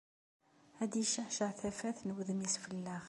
Ad d-icceɛceɛ tafat n wudem-is fell-aɣ.